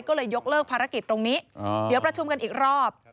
ก็เลยยกเลิกภารกิจตรงนี้เดี๋ยวประชุมกันอีกรอบ